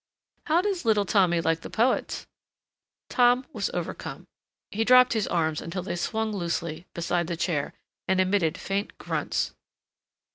"How does little Tommy like the poets?" Tom was overcome. He dropped his arms until they swung loosely beside the chair and emitted faint grunts.